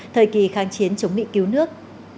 thời kỳ kháng chiến chống định cứu nước